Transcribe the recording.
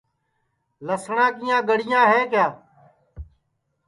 لسٹؔا کیاں گڑیاں ہے کیا